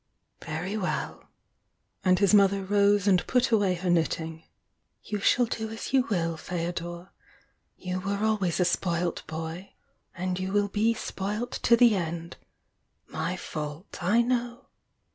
"Very well !" And his mother rose and put away her knitting. "You shall do as you wiU, F^odor! —you were always a spoilt boy and you will be spoilt to the end! My fault, I know!